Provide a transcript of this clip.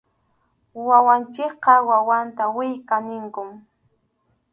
Wawanchikpa wawanta willka ninkum.